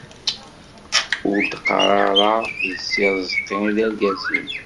Ur d-qqar ara d si Rezqi i d argaz-im.